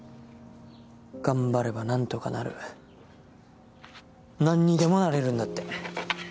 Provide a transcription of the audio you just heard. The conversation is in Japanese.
頑張れば何とかなる何にでもなれるんだって。